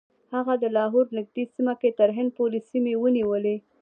هغه د لاهور نږدې سیمه کې تر هند پورې سیمې ونیولې.